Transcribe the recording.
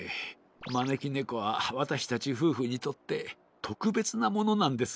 まねきねこはわたしたちふうふにとってとくべつなものなんです。